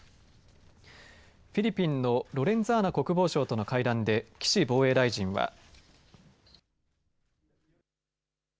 フィリピンのロレンザーナ国防相との会談で岸防衛大臣は。